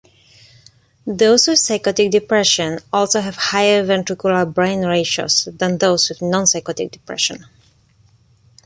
Those with psychotic depression also have higher ventricular-brain ratios than those with non-psychotic depression.